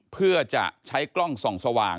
เพื่อจะใช้กล้องส่องสว่าง